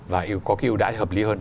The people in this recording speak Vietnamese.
và có cái ưu đãi hợp lý hơn